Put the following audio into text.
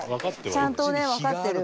ちゃんとねわかってる。